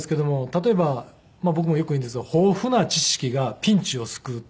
例えばまあ僕もよく言うんですけど「豊富な知識がピンチを救う」っていって。